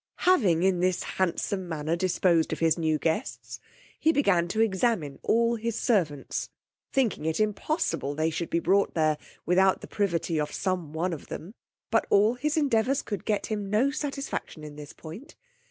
Having in this handsome manner disposed of his new guests, he began to examine all his servants, thinking it impossible they should be brought there without the privity of some one of them; but all his endeavours could get him no satisfaction in this point.